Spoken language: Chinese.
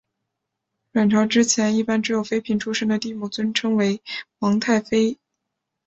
阮朝之前一般只有妃嫔出身的帝母尊为皇太妃。